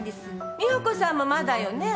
美保子さんもまだよね？